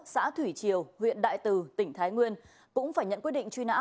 xã thủy triều huyện đại từ tỉnh thái nguyên cũng phải nhận quyết định truy nã